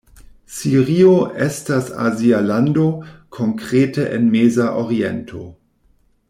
Sirio estas azia lando, konkrete en Meza Oriento.